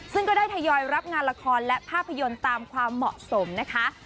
ซึ่งก็ได้ทยอยรับงานละครและภาพยนตร์ตามความเหมาะสมนะคะ